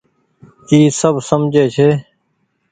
اي سب سجهي ڇي۔